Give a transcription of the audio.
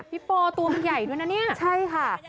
พี่โปรตัวใหญ่ด้วยนะเนี่ยใช่ค่ะ